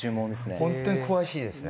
ホントに詳しいですね。